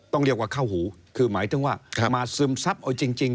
ต้องเรียกว่าเข้าหูหมายถึงว่ามาซึมทรัพย์จริง